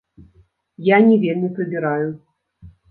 Я не вельмі прыбіраю.